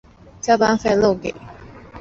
加班费漏给